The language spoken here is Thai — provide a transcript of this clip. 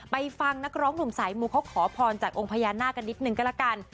ไปฟังนักร้องหนุ่มสายมูเขาขอพรจากองค์พญานาคกันนิดนึงก็แล้วกัน